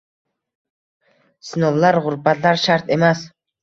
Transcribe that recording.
sinovlar, gʼurbatlar shart emas